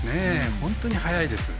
本当に速いです。